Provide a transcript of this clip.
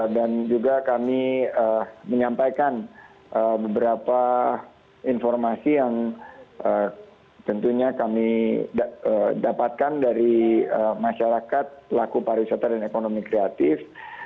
juga kami menyampaikan beberapa informasi yang tentunya kami dapatkan dari masyarakat pelaku pariwisata dan ekonomi kreatif